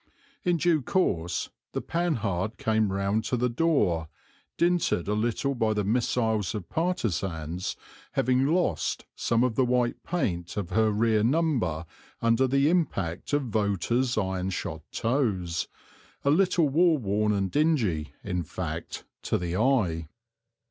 In due course the Panhard came round to the door, dinted a little by the missiles of partisans, having lost some of the white paint of her rear number under the impact of voters' iron shod toes, a little war worn and dingy, in fact, to the eye.